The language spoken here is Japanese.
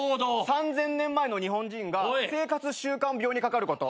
３，０００年前の日本人が生活習慣病にかかること。